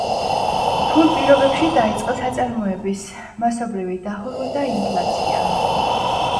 რთულ პირობებში დაიწყო საწარმოების მასობრივი დახურვა და ინფლაცია.